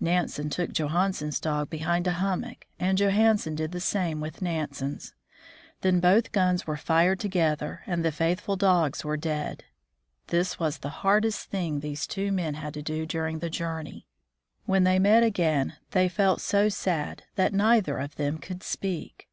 Nansen took Johansen's dog behind a hummock, and Johansen did the same with Nansen's. Then both guns were fired together and the faithful dogs were dead. This was the hardest thing these two men had to do during the journey. When they met again, they felt so sad that neither of them could speak.